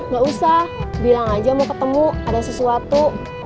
gak usah bilang aja mau ketemu ada sesuatu